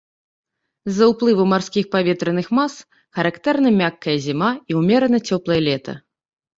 З-за ўплыву марскіх паветраных мас характэрна мяккая зіма і ўмерана цёплае лета.